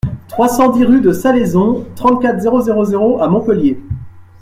trois cent dix rue de Salaison, trente-quatre, zéro zéro zéro à Montpellier